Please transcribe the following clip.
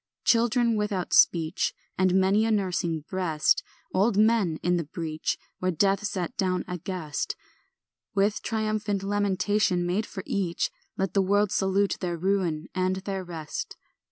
Children without speech, And many a nursing breast; Old men in the breach, Where death sat down a guest; With triumphant lamentation made for each, Let the world salute their ruin and their rest.